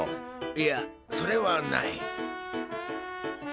いやそれはない。